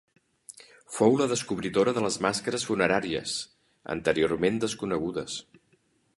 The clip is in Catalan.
Fou la descobridora de les màscares funeràries, anteriorment desconegudes.